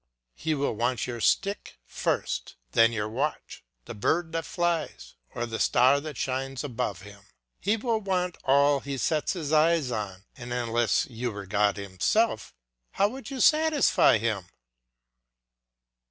He will want your stick first, then your watch, the bird that flies, or the star that shines above him. He will want all he sets eyes on, and unless you were God himself, how could you satisfy him?